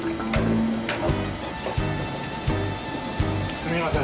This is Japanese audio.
すみません